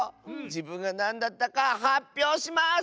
じぶんがなんだったかはっぴょうします！